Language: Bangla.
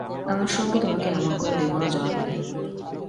আমার সঙ্গে তোমাকে এমন করে দেব না জড়াতে।